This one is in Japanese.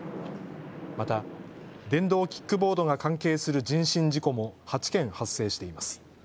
また電動キックボードが関係する人身事故も８件発生しています。